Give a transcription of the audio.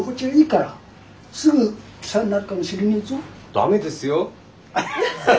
駄目ですよ。